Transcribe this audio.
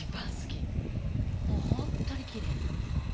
もう本当にきれいなんです。